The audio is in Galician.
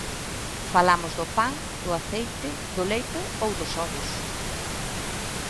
Falamos do pan, do aceite, do leite ou dos ovos.